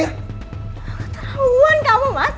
keterlaluan kamu mas